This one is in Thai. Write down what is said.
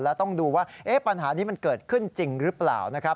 แล้วต้องดูว่าปัญหานี้มันเกิดขึ้นจริงหรือเปล่านะครับ